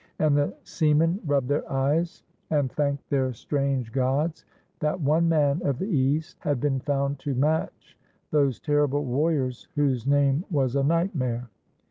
And the seamen rubbed their eyes and thanked their 109 GREECE strange gods that one man of the East had been found to match those terrible warriors whose name was a night mare.